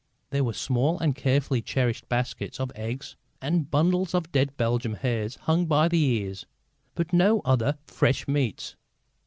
There were small and carefully cherished baskets of eggs and bundles of dead Belgian hares hung by the ears, but no other fresh meats.